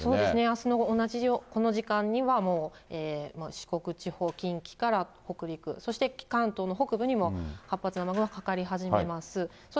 あすも同じような、この時間にはもう四国地方、近畿から北陸、そして関東の北部にも活発な雨雲かかり始めます。